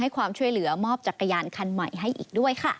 ความช่วยเหลือมอบจักรยานคันใหม่ให้อีกด้วยค่ะ